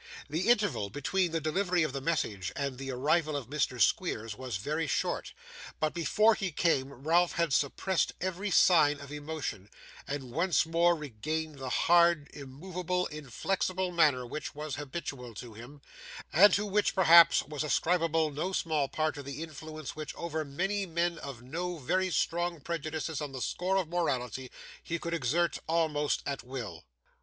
The interval between the delivery of this message, and the arrival of Mr Squeers, was very short; but, before he came, Ralph had suppressed every sign of emotion, and once more regained the hard, immovable, inflexible manner which was habitual to him, and to which, perhaps, was ascribable no small part of the influence which, over many men of no very strong prejudices on the score of morality, he could exert, almost at will.